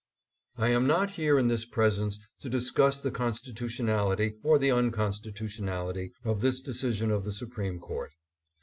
I am not here in this presence to discuss the constitu tionality or the unconstitutionality of this decision of the Supreme Court.